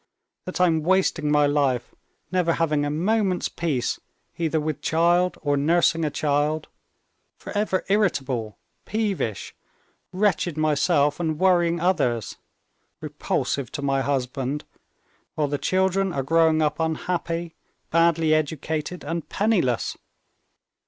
That I'm wasting my life, never having a moment's peace, either with child, or nursing a child, forever irritable, peevish, wretched myself and worrying others, repulsive to my husband, while the children are growing up unhappy, badly educated, and penniless.